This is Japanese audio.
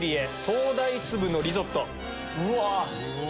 うわ！